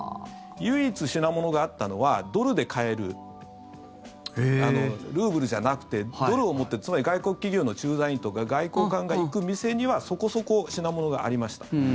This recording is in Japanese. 唯一品物があったのはドルで買えるルーブルじゃなくてドルを持ってるつまり、外国企業の駐在員とか外交官が行く店にはそこそこ、品物がありました。